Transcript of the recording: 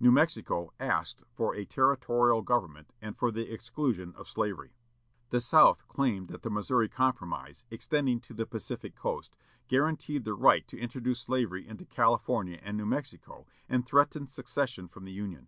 New Mexico asked for a territorial government and for the exclusion of slavery. The South claimed that the Missouri Compromise, extending to the Pacific coast, guaranteed the right to introduce slavery into California and New Mexico, and threatened secession from the Union.